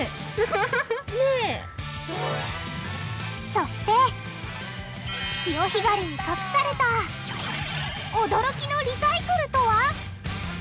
そして潮干狩りに隠された驚きのリサイクルとは！？